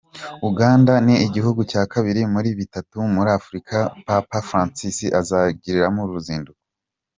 Uganda ni igihugu cya kabiri muri bitatu muri Afurika papa Francis azagiririramo uruzinduko.